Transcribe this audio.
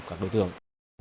cả đối tượng